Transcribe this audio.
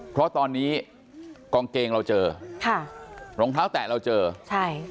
เพราะตอนนี้กองเกงเราเจอค่ะรองเท้าแตะเราเจอใช่